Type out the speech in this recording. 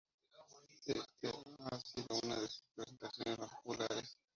Esta ha sido una de sus presentaciones más populares.